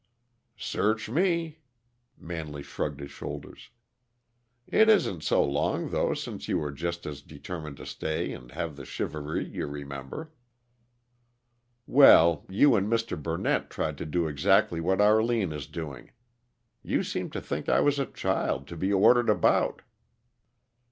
"Search me." Manley shrugged his shoulders. "It isn't so long, though, since you were just as determined to stay and have the shivaree, you remember." "Well, you and Mr. Burnett tried to do exactly what Arline is doing. You seemed to think I was a child, to be ordered about."